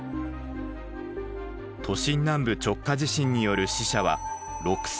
都心南部直下地震による死者は６，０００人以上。